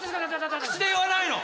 口で言わないの！